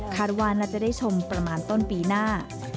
ว่าน่าจะได้ชมประมาณต้นปีหน้า